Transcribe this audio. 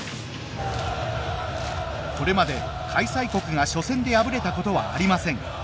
これまで開催国が初戦で敗れたことはありません。